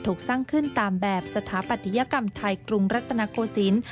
ถูกสร้างขึ้นตามแบบสถาปัตยกรรมไทยกรุงรัตนโกศิลป์